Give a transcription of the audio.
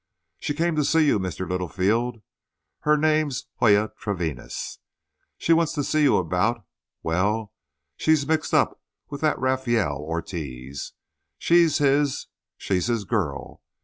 "She came to see you, Mr. Littlefield. Her name's Joya Treviñas. She wants to see you about—well, she's mixed up with that Rafael Ortiz. She's his—she's his girl.